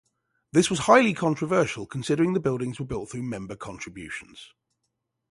This was highly controversial considering the buildings were built through member contributions.